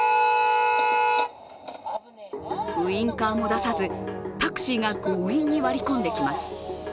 ウインカーも出さずタクシーが強引に割り込んできます。